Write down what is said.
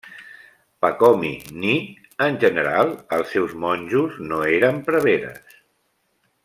Pacomi ni, en general, els seus monjos, no eren preveres.